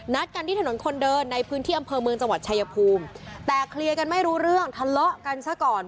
กันที่ถนนคนเดินในพื้นที่อำเภอเมืองจังหวัดชายภูมิแต่เคลียร์กันไม่รู้เรื่องทะเลาะกันซะก่อน